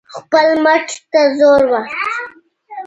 خپل مټ ته زور ورکړئ.